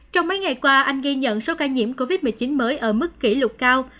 trong mấy ngày qua anh ghi nhận số ca nhiễm covid một mươi chín mới ở mức kỷ lục cao